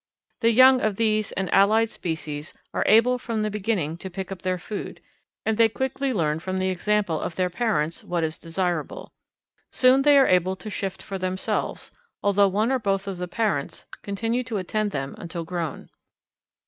The young of these and allied species are able from the beginning to pick up their food, and they quickly learn from the example of their parents what is desirable. Soon they are able to shift for themselves, although one or both of the parents continue to attend them until grown.